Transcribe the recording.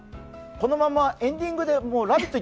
このままエンディングで「ラヴィット！」